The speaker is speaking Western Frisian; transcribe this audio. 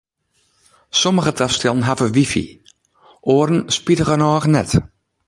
Sommige tastellen hawwe wifi, oaren spitigernôch net.